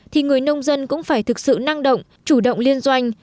thì người nông dân cũng phải thực sự năng động chủ động liên doanh